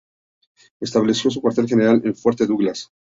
Estableció su cuartel general en Fuerte Douglas.